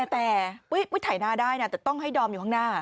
แต่ไม่ถ่ายหน้าได้นะแต่ต้องให้ดอมอยู่ข้างหน้า